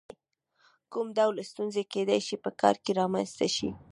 کوم ډول ستونزې کېدای شي په کار کې رامنځته شي؟